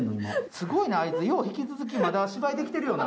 すごいなあいつ、まだ引き続き芝居できてるよな。